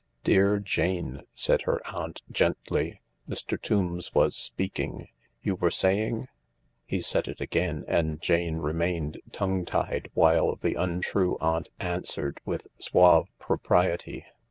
"Dear Jane," said the aunt gently, "Mr. Tombs was speaking. You were saying ?..." He said it again, and Jane remained tongue tied while the untrue aunt answered with suave propriety.